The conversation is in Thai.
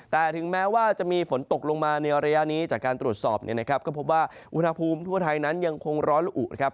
แต่ถึงแม้ว่าจะมีฝนตกลงมาในระยะนี้จากการตรวจสอบก็พบว่าอุณหภูมิทั่วไทยนั้นยังคงร้อนหรืออุ่น